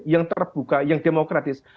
yang terbuka yang demokratis